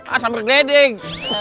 ah summer glading